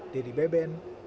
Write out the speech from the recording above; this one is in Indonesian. dedy beben bekasi